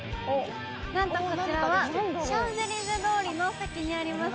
なんとこちらはシャンゼリゼ通りの先にあります